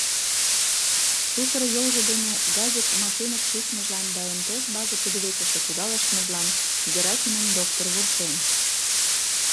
Сусыр йолжо дене «газик» машиныш шичмыжлан да МТС базе кудывечыште кудалыштмыжлан Герасимын доктор вурсен.